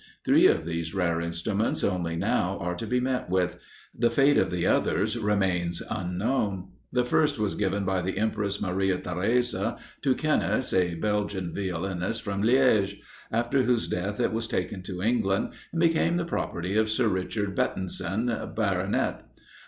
Three of these rare instruments only are now to be met with; the fate of the others remains unknown. The first was given by the Empress Maria Theresa to Kennis, a Belgian violinist from Liège, after whose death it was taken to England, and became the property of Sir Richard Betenson, Bart.